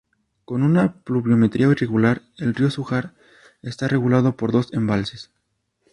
Con una pluviometría irregular, el río Zújar está regulado por dos embalses.